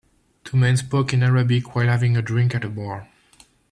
Two men spoke in Arabic while having a drink at the bar.